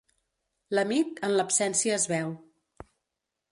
L'amic, en l'absència es veu.